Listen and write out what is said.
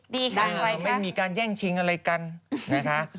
ดีครับอะไรครับวันนี้มีการแย่งชิงอะไรกันนะคะ